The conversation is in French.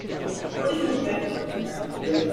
Qu’est-ce que vous faites ?